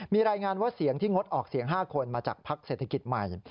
มีรายงานว่าเสียงที่งดออกเสียง๕คนมาจากพักเศรษฐกิจใหม่